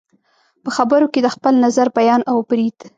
په خبرو کې د خپل نظر بیان او برید